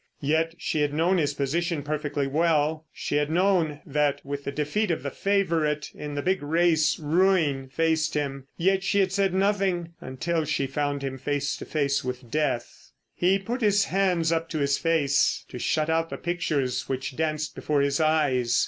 Yet she had known his position perfectly well: she had known that with the defeat of the favourite in the big race ruin faced him. Yet she had said nothing until she found him face to face with death. He put his hands up to his face to shut out the pictures which danced before his eyes.